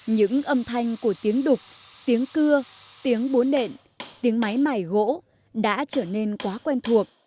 những âm thanh của tiếng đục tiếng cưa tiếng bốn nện tiếng máy mải gỗ đã trở nên quá quen thuộc